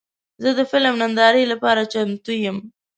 زه د فلم نندارې لپاره چمتو یم.